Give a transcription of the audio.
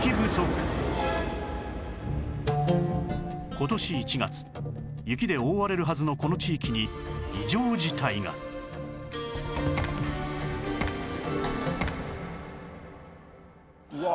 今年１月雪で覆われるはずのこの地域に異常事態がうわ！